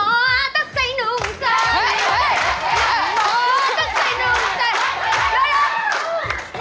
นางหมอตัดใจหนูจ่ะ